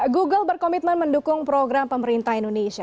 google berkomitmen mendukung program pemerintah indonesia